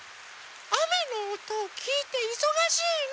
あめのおとをきいていそがしいの。